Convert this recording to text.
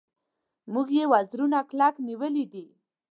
موږ یې وزرونه کلک نیولي دي.